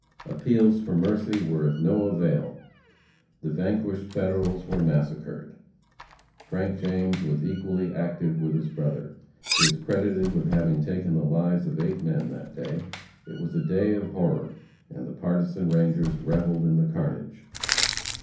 Appeals for mercy were of no avail. The vanquished Federals were massacred. Frank James was equally active with his brother. He is credited with having taken the lives of eight men that day. It was a day of horror, and the partisan rangers revelled in the carnage.